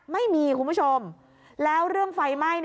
ไม่มีคุณผู้ชมแล้วเรื่องไฟไหม้